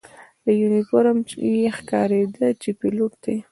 له یونیفورم یې ښکارېده چې پیلوټ دی.